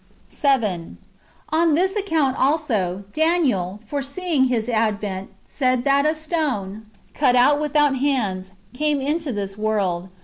7. On this account also, Daniel,* foreseeing His advent, said that a stone, cut out without hands, came into this world.